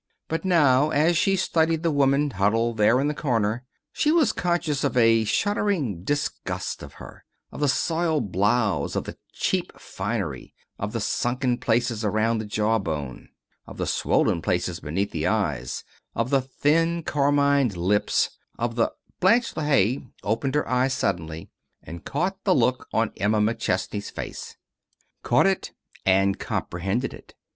But now, as she studied the woman huddled there in the corner, she was conscious of a shuddering disgust of her of the soiled blouse, of the cheap finery, of the sunken places around the jaw bone, of the swollen places beneath the eyes, of the thin, carmined lips, of the Blanche LeHaye opened her eyes suddenly and caught the look on Emma McChesney's face. Caught it, and comprehended it.